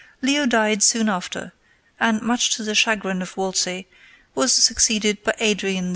Leo died soon after, and, much to the chagrin of Wolsey, was succeeded by Adrian VI.